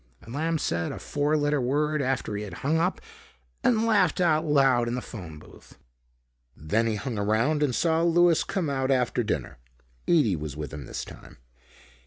And Lamb said a four letter word after he had hung up and laughed out loud in the phone booth. Then he hung around and saw Louis come out after dinner. Ede was with him this time.